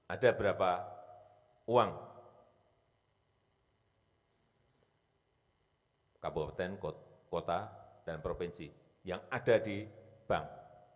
ada berapa uang kabupaten kota dan provinsi yang ada di bank